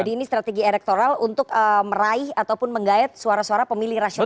jadi ini strategi elektoral untuk meraih ataupun menggayat suara suara pemilih rasional